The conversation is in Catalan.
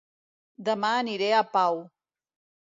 Dema aniré a Pau